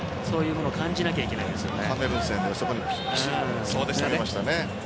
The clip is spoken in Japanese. そういうのを感じなきゃいけないですね。